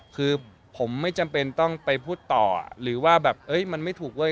คือผมไม่จำเป็นต้องไปพูดต่อหรือว่าแบบเอ้ยมันไม่ถูกเว้ย